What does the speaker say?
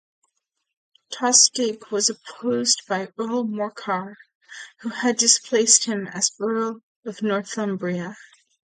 Tostig was opposed by Earl Morcar who had displaced him as Earl of Northumbria.